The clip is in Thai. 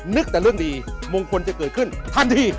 นึกแต่เรื่องดีมงคลจะเกิดขึ้นทันที